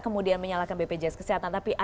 kemudian menyalahkan bpjs kesehatan tapi